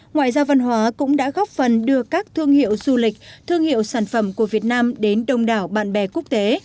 ngoại giao văn hóa cũng đã góp phần đưa các thương hiệu du lịch thương hiệu sản phẩm của việt nam đến đông đảo bạn bè quốc tế